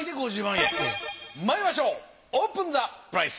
まいりましょうオープンザプライス。